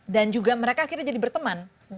dan juga mereka akhirnya jadi berteman